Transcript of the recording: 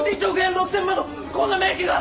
６，０００万のこんな名器が！？